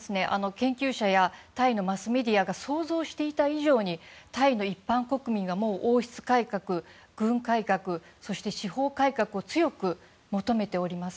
研究者やタイのマスメディアが想像していた以上にタイの一般国民がもう王室改革、軍改革司法改革を強く求めております。